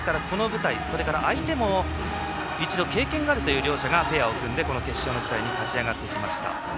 この舞台、それから相手も一度、経験があるという両者がペアを組んでこの決勝の舞台に勝ち上がってきました。